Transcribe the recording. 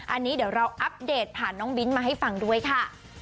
อันนี้เดี๋ยวเราอัปเดตผ่านน้องบิ้นมาให้ฟังด้วยค่ะ